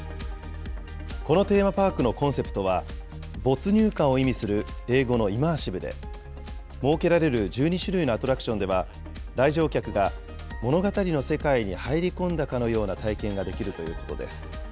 このテーマパークのコンセプトは、没入感を意味する英語のイマーシブで、設けられる１２種類のアトラクションでは、来場客が物語の世界に入り込んだかのような体験ができるということです。